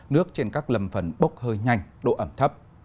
nước trên các lầm phần bốc hơi nhanh độ ẩm thấp